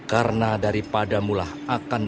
karena beravana mudah anak